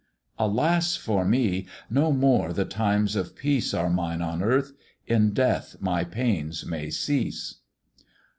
"Alas, for me! no more the times of peace Are mine on earth in death my pains may cease.